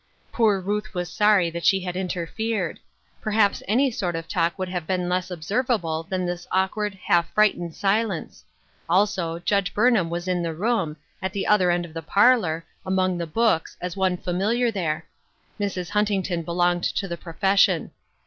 Poor Ruth was sorry that sLe had interfered. Perhaps any sort of talk would have been less observable that this awkward, half frightened silence ; also. Judge Burnham was in the room, at the other end of the parlor, among the books, as one familiar there. Mrs. Hunting ton belonged to the profession.